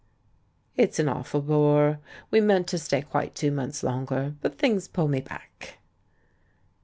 "It's an awful bore; we meant to stay quite two months longer. But things pull me back."